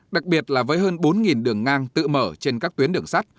đặc biệt là với hơn bốn đường ngang tự mở trên các tuyến đường sắt